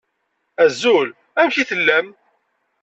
Azul! Amek i tellam?